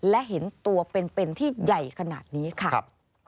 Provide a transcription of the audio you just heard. และเห็นตัวเป็นที่ใหญ่ขนาดนี้ค่ะ